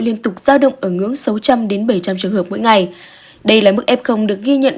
liên tục giao động ở ngưỡng sáu trăm linh bảy trăm linh trường hợp mỗi ngày đây là mức f được ghi nhận